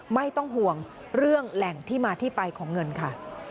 ไม่ต้องห่วงเรื่องแหล่งที่มาที่ไปของเงินค่ะ